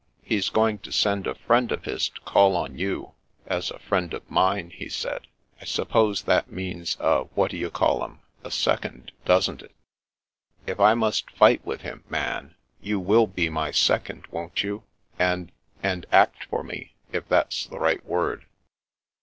He's going to send a friend of his to call on you, as a friend of mine, he said. I suppose that means a what you may call 'em — ^a * second,' doesn't it ? If I must fight with him, Man, you will be my second, won't you, and — ^and act for me, if that's the right word?"